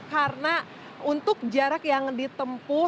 karena untuk jarak yang ditempuh